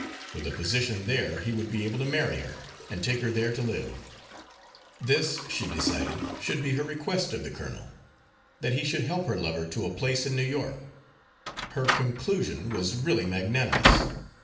With a position there, he would be able to marry her, and take her there to live. This, she decided, should be her request of the colonel that he should help her lover to a place in New York. Her conclusion was really magnanimous.